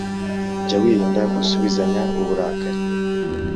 jya wirinda gusuzibanya uburakari